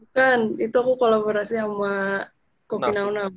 bukan itu aku kolaborasi sama kopi enam puluh enam